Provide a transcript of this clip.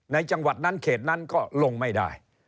ในจังหวัดนั้นเขตนั้นก็ลงไม่ได้